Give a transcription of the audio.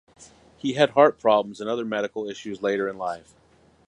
He had heart problems and other medical issues later in life.